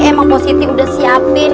emang pak siti udah siapin